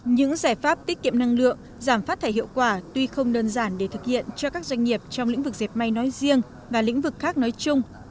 những giải pháp tiết kiệm năng lượng giảm phát thải hiệu quả tuy không đơn giản để thực hiện cho các doanh nghiệp trong lĩnh vực dẹp may nói riêng và lĩnh vực khác nói chung